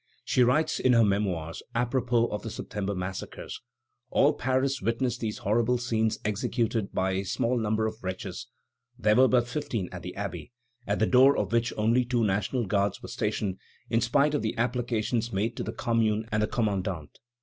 She writes in her Memoirs, apropos of the September massacres: "All Paris witnessed these horrible scenes executed by a small number of wretches (there were but fifteen at the Abbey, at the door of which only two National Guards were stationed, in spite of the applications made to the Commune and the commandant).